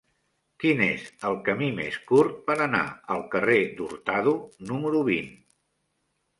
Quin és el camí més curt per anar al carrer d'Hurtado número vint?